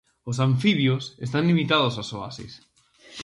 Os anfibios están limitados aos oasis.